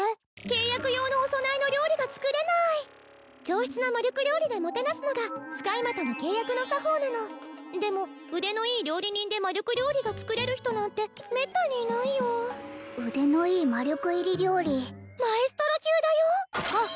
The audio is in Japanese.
契約用のお供えの料理が作れなーい上質な魔力料理でもてなすのが使い魔との契約の作法なのでも腕のいい料理人で魔力料理が作れる人なんてめったにいないよ腕のいい魔力入り料理マエストロ級だよあっ！